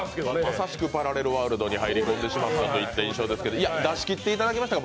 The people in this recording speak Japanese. まさしくパラレルワールドに入り込んでしまった印象ですが出しきっていただきましたか？